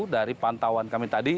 dari pantauan kami tadi